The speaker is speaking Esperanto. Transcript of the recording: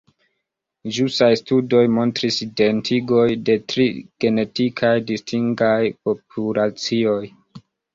Ĵusaj studoj montris identigon de tri genetikaj distingaj populacioj.